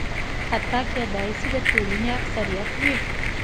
حتی کېدای شي د ټولنې اکثریت وي.